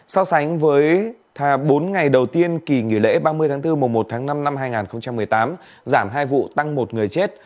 so sánh với bốn ngày đầu tiên kỳ nghỉ lễ ba mươi tháng bốn mùa một tháng năm năm hai nghìn một mươi tám giảm hai vụ tăng một người chết